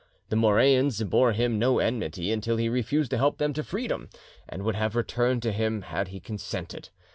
The Moreans bore him no enmity until he refused to help them to freedom, and would have returned to him had he consented.